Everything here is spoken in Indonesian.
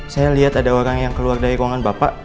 saya lihat ada orang yang keluar dari ruangan bapak